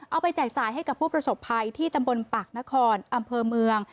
ไปแจกจ่ายให้กับผู้ประสบภัยที่ตำบลปากนครอำเภอเมือง